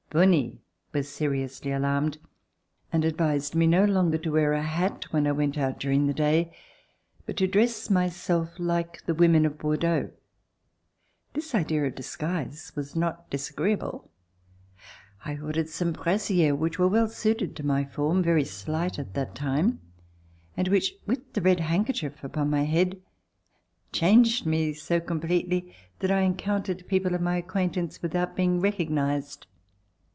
Bonie was seriously alarmed and advised me no longer to wear a hat when I went out during the day but to dress myself like the women of Bordeaux. This idea of disguise was not disagreeable. I ordered some brassieres which were well suited to my form, very slight at that time, and which with the red handkerchief upon my head changed me so completely that I encountered people of my acquaintance without being recognized.